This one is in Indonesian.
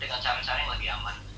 dengan cara cara yang lebih aman